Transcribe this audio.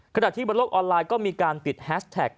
ขณะที่บนโลกออนไลน์ก็มีการติดแฮสแท็ก